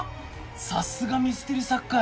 さすがミステリ作家やなあ。